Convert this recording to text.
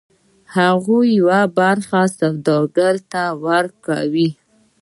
هغوی یوه برخه سوداګر ته ورکوي